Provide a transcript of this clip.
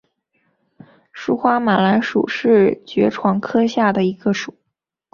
疏花马蓝属是爵床科下的一个属。